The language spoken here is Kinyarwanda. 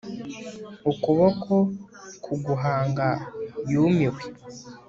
Ukuboko ku gahanga yumiwe